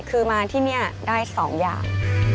คือมาที่นี่ได้๒อย่าง